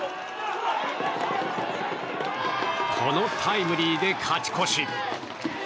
このタイムリーで勝ち越し。